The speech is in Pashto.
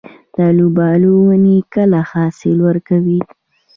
د الوبالو ونې کله حاصل ورکوي؟